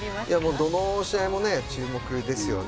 どの試合も注目ですよね。